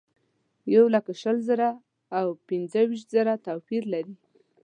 یولک شل زره او پنځه ویشت زره توپیر لري.